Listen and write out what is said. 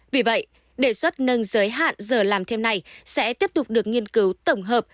vì vậy đề xuất nâng giới hạn giờ làm thêm này sẽ tiếp tục được nghiên cứu tổng hợp